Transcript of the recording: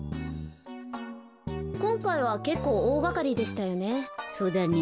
こんかいはけっこうおおがかりでしたよね。